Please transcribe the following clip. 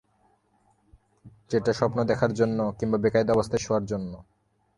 সেটা স্বপ্ন দেখার জন্যে, কিংবা বেকায়দা অবস্থায় শোয়ার জন্যে।